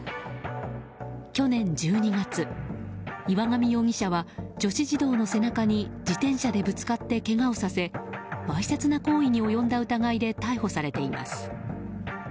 去年１２月、岩上容疑者は女子児童の背中に自転車でぶつかってけがをさせわいせつな行為に及んだ疑いで逮捕されています。